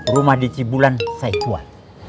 rumah di cibulan saya kuat